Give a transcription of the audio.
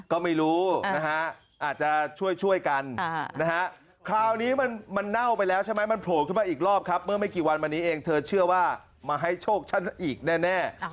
ก็ไม่รู้นะฮะอาจจะช่วยกันนะฮะคราวนี้มันเน่าไปแล้วใช่ไหมมันโผล่ขึ้นมาอีกรอบครับเมื่อไม่กี่วันมานี้เองเธอเชื่อว่ามาให้โชคฉันอีกแน่